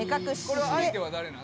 これは相手は誰なん？